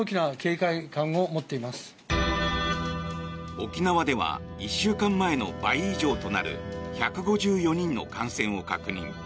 沖縄では１週間前の倍以上となる１５４人の感染を確認。